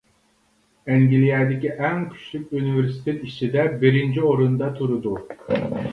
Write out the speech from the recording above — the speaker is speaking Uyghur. ئەنگلىيەدىكى ئەڭ كۈچلۈك ئۇنىۋېرسىتېت ئىچىدە بىرىنچى ئورۇندا تۇرىدۇ.